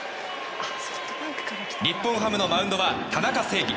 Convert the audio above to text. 日本ハムのマウンドは田中正義。